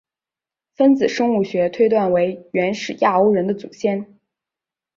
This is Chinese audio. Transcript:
分子生物学推断为原始亚欧人的祖先。